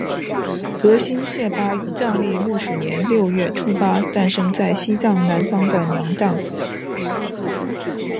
德新谢巴于藏历木鼠年六月初八诞生在西藏南方的娘当。